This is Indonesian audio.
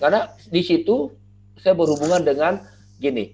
karena disitu saya berhubungan dengan gini